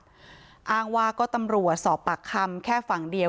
ที่ออกหมายจับอ้างว่าก็ตำรวจสอบปากคำแค่ฝั่งเดียว